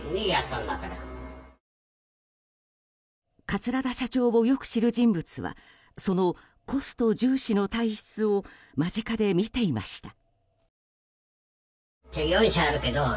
桂田社長をよく知る人物はそのコスト重視の体質を間近で見ていました。